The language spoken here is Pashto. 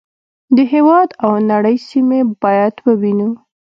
د هېواد او نړۍ سیمې باید ووینو.